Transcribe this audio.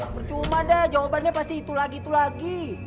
bercuma deh jawabannya pasti itu lagi itu lagi